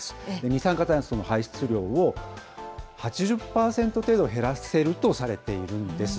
二酸化炭素の排出量を８０％程度減らせるとされているんです。